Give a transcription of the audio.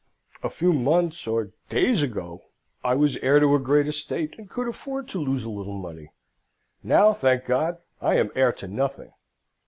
A few months or days ago, I was heir to a great estate, and could afford to lose a little money. Now, thank God, I am heir to nothing."